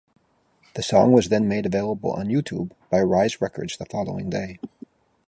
The song was then made available on YouTube by Rise Records the following day.